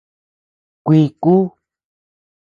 Kuiku.